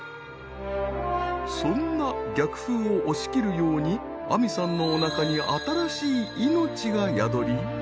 そんな逆風を押し切るように亜美さんのおなかに新しい命が宿り。